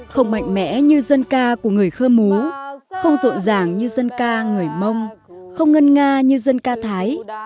không mạnh mẽ như dân ca của người khơ mú không rộn ràng như dân ca người mông không ngân nga như dân ca thái